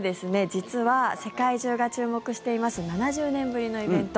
実は、世界中が注目しています７０年ぶりのイベント